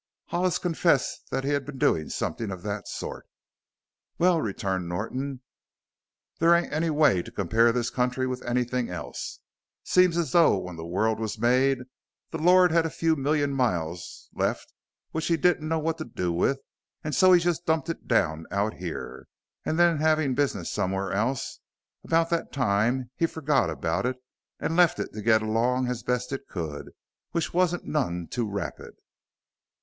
Hollis confessed that he had been doing something of that sort. "Well," returned Norton, "there ain't any way to compare this country with anything else. Seems as though when the world was made the Lord had a few million miles left which he didn't know what to do with an' so he just dumped it down out here. An' then, havin' business somewhere else about that time he forgot about it an' left it to get along as best it could which wasn't none too rapid."